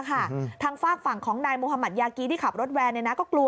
ค่ะทางฝากฝั่งของนายมยกีที่ขับรถแวนเนี่ยนะก็กลัว